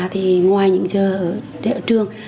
thì ngoài những giờ ở trường